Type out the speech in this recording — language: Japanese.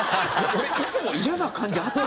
俺いつも嫌な感じあった。